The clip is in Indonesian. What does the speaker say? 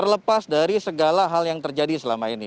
terlepas dari segala hal yang terjadi selama ini